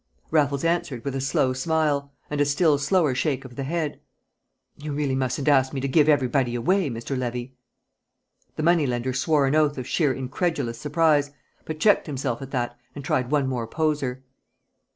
Raffles answered with a slow smile, and a still slower shake of the head: "You really mustn't ask me to give everybody away, Mr. Levy!" The money lender swore an oath of sheer incredulous surprise, but checked himself at that and tried one more poser.